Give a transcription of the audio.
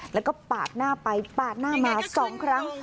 แล้วก็ปาดหน้าไปปาดหน้ามา๒ครั้ง